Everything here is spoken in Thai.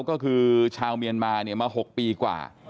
ก็คือชาวเมียนมามา๖ปีกว่า